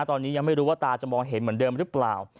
ตอนนี้ยังไม่รู้ว่าตาจะมองเห็นเหมือนเดิมหรือเปล่า